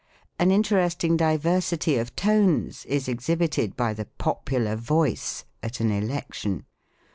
An interesting diversity of U}nes is exhibited by the popular voice at an election.